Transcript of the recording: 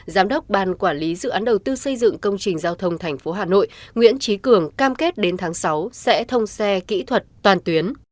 giám đốc ban quản lý dự án đầu tư xây dựng công trình giao thông tp hà nội nguyễn trí cường cam kết đến tháng sáu sẽ thông xe kỹ thuật toàn tuyến